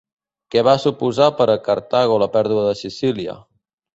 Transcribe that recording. Què va suposar per a Cartago la pèrdua de Sicília?